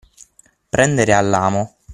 Prendere all'amo.